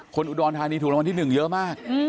คนอุดรธานีถูกรางวัลที่๑เยอะมาก